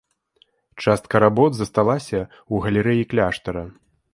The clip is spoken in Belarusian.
Частка работ засталася ў галерэі кляштара.